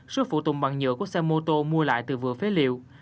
số phụ tùng bằng nhựa của xe mô tô mua lại từ vừa phế liệu